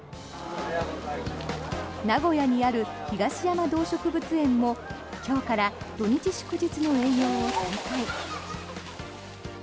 名古屋にある東山動植物園も今日から土日祝日の営業を再開。